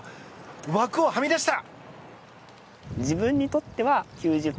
枠をはみ出した！